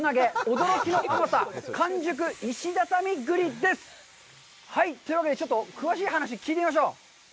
驚きの甘さ完熟石畳栗」です！というわけで、ちょっと詳しい話、聞いてみましょう。